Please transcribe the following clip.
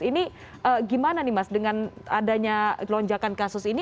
ini gimana nih mas dengan adanya kelonjakan kasus ini